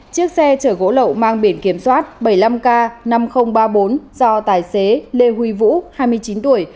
chiếc xe chở gỗ lậu mang biển kiểm soát bảy mươi năm k năm nghìn ba mươi bốn do tài xế lê huy vũ hai mươi chín tuổi